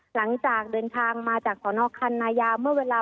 หลังจากเดินทางมาจากสนคันนายาเมื่อเวลา